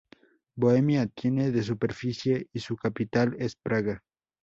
Bohemia tiene de superficie y su capital es Praga.